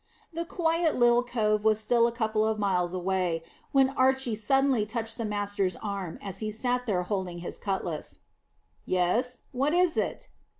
The quiet little cove was still a couple of miles away, when Archy suddenly touched the master's arm as he sat there holding his cutlass. "Yes; what is it?"